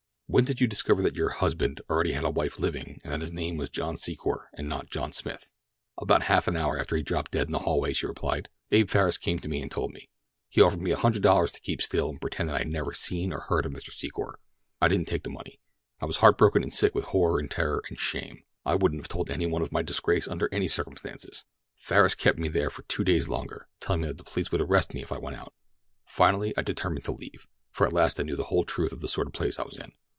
"When did you discover that your 'husband' already had a wife living, and that his name was John Secor and not John Smith?" "About half an hour after he dropped dead in the hallway," she replied. "Abe Farris came to me and told me. He offered me a hundred dollars to keep still and pretend that I had never seen or heard of Mr. Secor. I didn't take the money. I was heartbroken and sick with horror and terror and shame. I wouldn't have told any one of my disgrace under any circumstances. Farris kept me there for two days longer, telling me that the police would arrest me if I went out. Finally I determined to leave, for at last I knew the whole truth of the sort of place I was in.